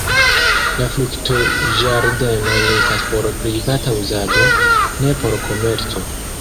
La fruktoĝardenoj estas por privata uzado; ne por komerco.